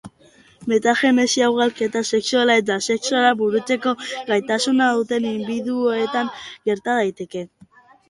Metagenesia ugalketa sexuala eta asexuala burutzeko gaitasuna duten indibiduoetan gerta daiteke.